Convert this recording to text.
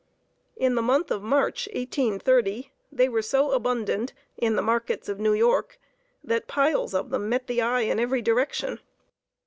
In the month of March, 1830, they were so abundant in the markets of New York, that piles of them met the eye in every direction.